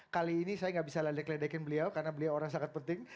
kali ini saya nggak bisa ledek ledekin beliau karena beliau orang sangat penting